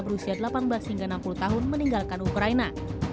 berusia delapan belas hingga enam puluh tahun meninggalkan ukraina